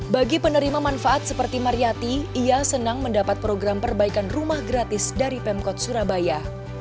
bagi penerima manfaat seperti mariyati ia senang mendapat program perbaikan rumah gratis dari pemkot surabaya